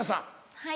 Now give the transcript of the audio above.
はい。